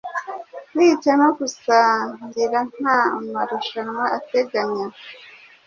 Kwica no gusangiranta marushanwa ateganya